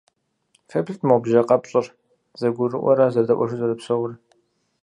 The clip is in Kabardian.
Феплъыт, мо бжьэ къэпщӏыр зэгурыӏуэрэ зэдэӏуэжу зэрыпсэур.